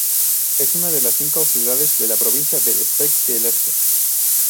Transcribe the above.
Es una de las cinco ciudades de la provincia de Sepik del Este.